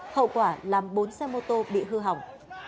hậu quả làm bốn xe mô tô bị hư hỏng